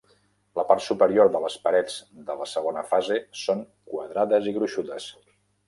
La part superior de les parets de la segona fase són quadrades i gruixudes.